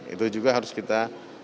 itu juga harus kita